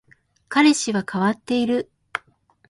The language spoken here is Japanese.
彼氏は変わっている